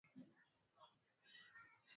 baada ya Vyama vya siasa viwili vilivyoungana